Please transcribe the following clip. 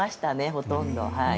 ほとんど。